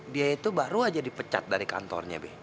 dia itu baru aja dipecat dari kantornya